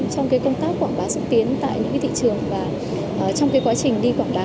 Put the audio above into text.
trong công tác quảng bá xúc tiến tại những thị trường và trong quá trình đi quảng bá